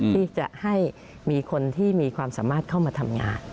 ที่จะให้มีคนที่มีความสามารถเข้ามาทำงาน